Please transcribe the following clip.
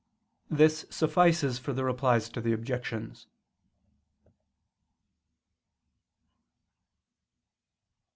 This suffices for the Replies to the Objections.